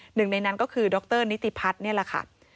หนึ่งในนั้นก็คือดรนิติพัทรนิติพัทร